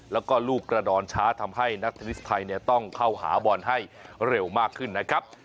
แล้วก็ลูกกระดอนช้าทำให้นักเทนนิสไทยต้องเข้าหาบอลให้เร็วมากขึ้นนะครับ